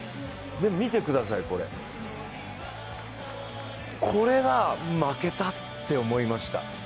見てください、これが負けたって思いました。